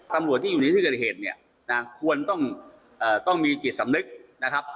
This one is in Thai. ตำรวจที่อยู่ในที่กระเทศนี่ควรต้องมีกลิ่นสำนึกนะครับ